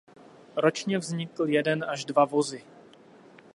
Ročně vznikl jeden až dva vozy.